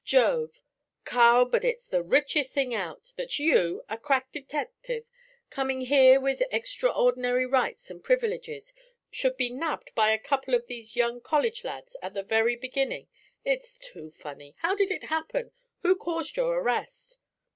'Jove! Carl, but it's the richest thing out that you, a crack detective, coming here with extraordinary rights and privileges, should be nabbed by a couple of these young college lads at the very beginning; it's too funny. How did it happen? Who caused your arrest?'